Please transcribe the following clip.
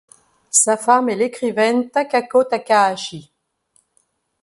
Sa femme est l'écrivaine Takako Takahashi.